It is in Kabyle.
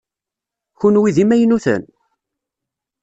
Kenwi d imaynuten?